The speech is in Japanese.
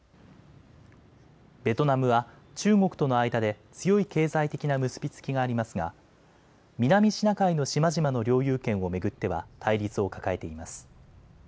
ベトナムは中国との間で強い経済的な結び付きがありますが南シナ海の島々の領有権を巡っては対立を抱えています。